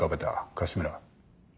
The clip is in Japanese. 樫村。